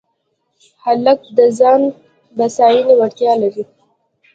هلک د ځان بساینې وړتیا لري.